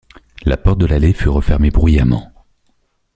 La porte de l’allée fut refermée bruyamment.